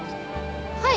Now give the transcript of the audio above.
はい。